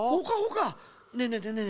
ねえねえねえねえ。